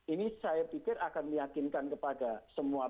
ini saya pikir akan meyakinkan kepada pemerintah